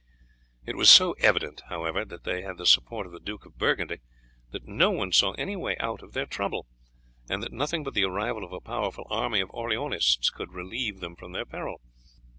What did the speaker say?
It was so evident, however, that they had the support of the Duke of Burgundy that no one saw any way out of their trouble, and that nothing but the arrival of a powerful army of Orleanists could relieve them from their peril.